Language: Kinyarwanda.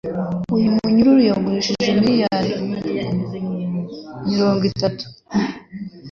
uyu munyururu wagurishije miliyari miringo itatu